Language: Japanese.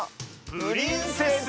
プリンセス！